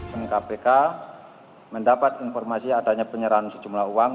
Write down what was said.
kpk mendapat informasi adanya penyerahan sejumlah uang